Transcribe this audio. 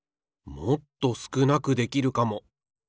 もっとすくなくできるかも。